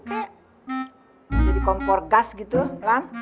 lu kayak jadi kompor gas gitu ram